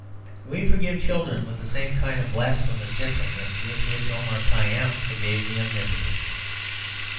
We forgive children with the same kind of blasphemous gentleness with which Omar Khayyam forgave the Omnipotent.